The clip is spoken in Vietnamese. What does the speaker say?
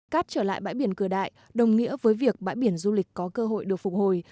cát trở lại bãi biển cửa đại đồng nghĩa với việc bãi biển du lịch có cơ hội được phục hồi